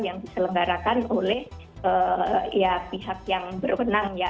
yang diselenggarakan oleh pihak yang berwenang ya